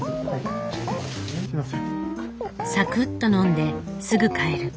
サクッと飲んですぐ帰る。